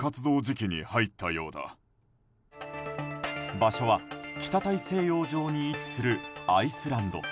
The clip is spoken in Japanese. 場所は北大西洋上に位置するアイスランド。